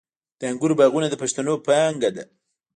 د انګورو باغونه د پښتنو پانګه ده.